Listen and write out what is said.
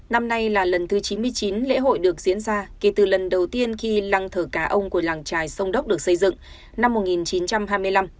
năm nay là lần thứ chín mươi chín lễ hội được diễn ra kể từ lần đầu tiên khi lăng thờ cá ông của làng trài sông đốc được xây dựng năm một nghìn chín trăm hai mươi năm